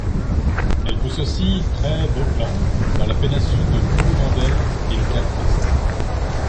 Elle pousse aussi près d'Auckland, dans la péninsule de Coromandel et le Cap Est.